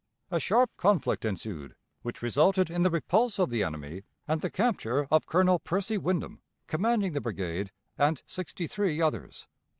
A sharp conflict ensued, which resulted in the repulse of the enemy and the capture of Colonel Percy Wyndham, commanding the brigade, and sixty three others.